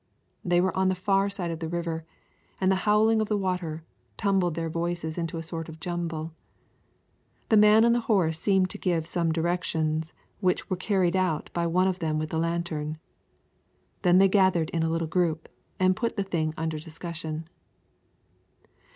They were on the far side of the river, and the howling of the water tumbled their voices into a sort of jumble. The man on the horse seemed to give some directions which were carried out by the one with the lantern. Then they gathered in a little group and put the thing under discussion.